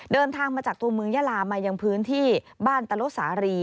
เดินทางมาจากตัวเมืองยาลามายังพื้นที่บ้านตะโลสารี